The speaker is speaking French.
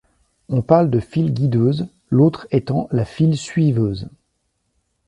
On parle de file guideuse, l'autre étant la file suiveuse.